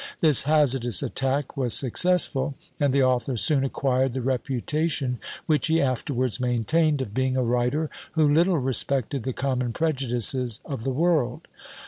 This hazardous attack was successful, and the author soon acquired the reputation which he afterwards maintained, of being a writer who little respected the common prejudices of the world.